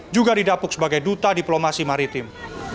juga didapuk sebagai duta diplomasi maritim